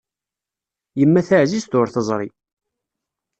Yemma taɛzizt ur teẓri.